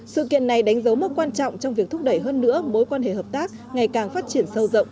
sự kiện này đánh dấu mức quan trọng trong việc thúc đẩy hơn nữa mối quan hệ hợp tác ngày càng phát triển sâu rộng